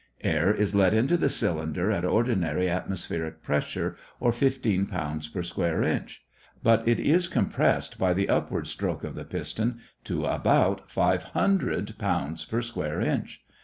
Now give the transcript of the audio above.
Air is let into the cylinder at ordinary atmospheric pressure, or fifteen pounds per square inch. But it is compressed by the upward stroke of the piston to about five hundred pounds per square inch.